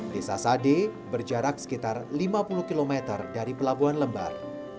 desa sade berjarak sekitar lima puluh km dari pelabuhan lembar